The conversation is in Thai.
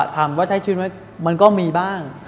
ถามว่าใช้ชีวิตไหมมันก็มีบ้าง